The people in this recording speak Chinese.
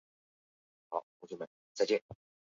通常为常绿性小灌木或小乔木。